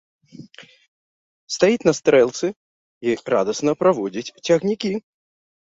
Стаіць на стрэлцы і радасна праводзіць цягнікі.